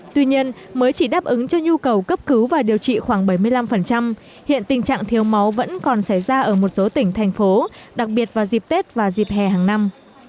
tuy nhiên mới chỉ đáp ứng cho nhu cầu cấp cứu và điều trị khoảng bảy mươi năm hiện tình trạng thiếu máu vẫn còn xảy ra ở một số tỉnh thành phố đặc biệt vào dịp tết và dịp hè hàng năm